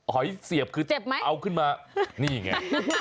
หอยเสียบคือเอาขึ้นมานี่ไง